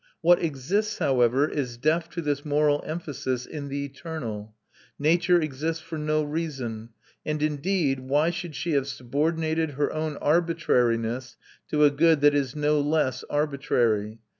What exists, however, is deaf to this moral emphasis in the eternal; nature exists for no reason; and, indeed, why should she have subordinated her own arbitrariness to a good that is no less arbitrary?